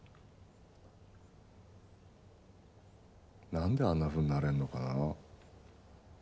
なんであんなふうになれるのかな。